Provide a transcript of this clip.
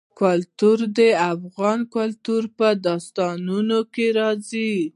کلتور د افغان کلتور په داستانونو کې راځي.